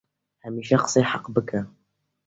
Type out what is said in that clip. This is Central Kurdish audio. هەمیشە قسەی حەق بکە